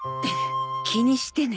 気にしてね。